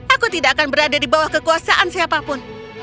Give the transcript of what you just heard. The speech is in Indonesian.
aku tidak akan berada di bawah kekuasaan siapapun